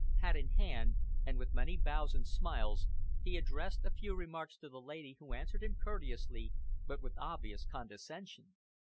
Hat in hand, and with many bows and smiles, he addressed a few remarks to the lady, who answered him courteously, but with obvious condescension.